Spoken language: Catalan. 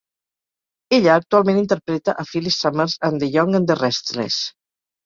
Ella actualment interpreta a Phyllis Summers en "The Young and the Restless".